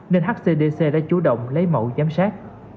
nên hcdc đã chủ động lấy mẫu giám sát